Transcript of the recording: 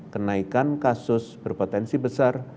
kenaikan kasus berpotensi besar